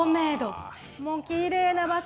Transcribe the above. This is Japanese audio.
きれいな場所。